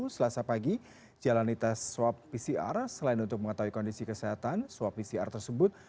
selasa pagi jalani tes swab pcr selain untuk mengetahui kondisi kesehatan swab pcr tersebut